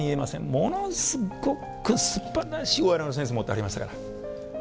ものすごくすばらしいお笑いのセンス持ってはりましたから。